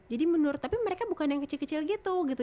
jadi menurut tapi mereka bukan yang kecil kecil gitu gitu